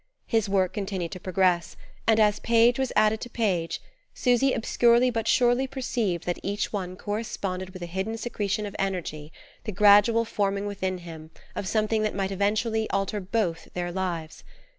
His work continued to progress, and as page was added to page Susy obscurely but surely perceived that each one corresponded with a hidden secretion of energy, the gradual forming within him of something that might eventually alter both their lives.